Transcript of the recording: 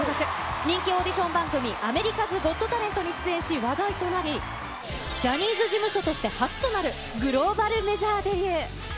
人気オーディション番組、アメリカズゴットタレントに出演し、話題となり、ジャニーズ事務所として初となるグローバルメジャーデビュー。